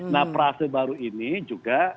nah prase baru ini juga